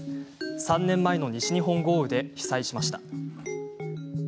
３年前の西日本豪雨で被災しました。